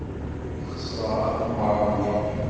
Xeṣreɣ aqemmer-nni.